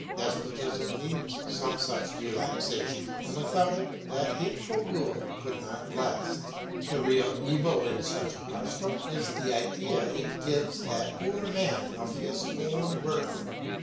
Despotism needs some such relaxation, and without it that hateful rule could not last. The real evil in such a custom is the idea it gives that poor man of his own worth.